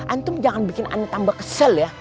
antum jangan bikin anda tambah kesel ya